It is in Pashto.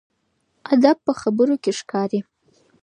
ادب په خبرو کې ښکاري.